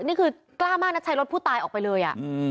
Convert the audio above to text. นี่คือกล้ามากนะใช้รถผู้ตายออกไปเลย